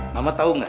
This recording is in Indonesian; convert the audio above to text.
mama tau gak